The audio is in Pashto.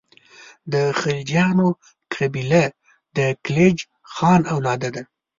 د خلجیانو قبیله د کلیج خان اولاد ده.